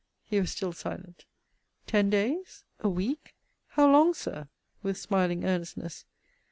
He was still silent. Ten days? A week? How long, Sir? with smiling earnestness.